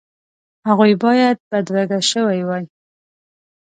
هغوی باید بدرګه شوي وای.